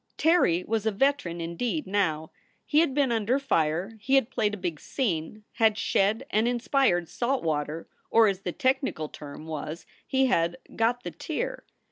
Terry was a veteran indeed now. He had been under fire. He had played a big scene, had shed and inspired salt water, or, as the technical term was, he had "got the tear."